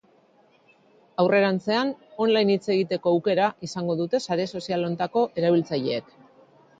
Aurrerantzean, online hitz egiteko aukera izango dute sare sozial honetako erabiltzaileek.